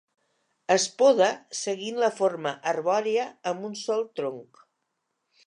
Es poda seguint la forma arbòria amb un sol tronc.